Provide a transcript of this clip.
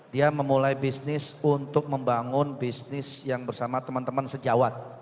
dia memulai bisnis untuk membangun bisnis yang bersama teman teman sejawat